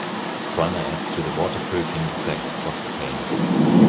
Primer adds to the waterproofing effect of the paint.